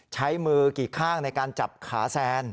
ใช้มือกี่ข้างในการจับขาแซน